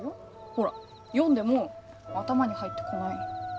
ほら読んでも頭に入ってこないの。